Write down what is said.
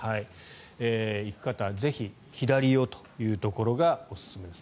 行く方はぜひ左をというところがおすすめです。